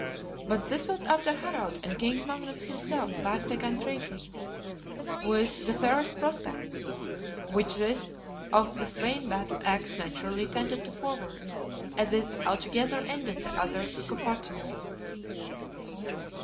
But this was after Harald and King Magnus himself bad begun treating; with the fairest prospects, which this of the $vein battle axe naturally tended to forward, as it altogether ended the other copartnery.